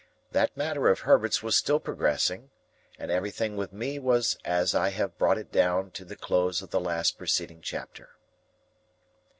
That matter of Herbert's was still progressing, and everything with me was as I have brought it down to the close of the last preceding chapter.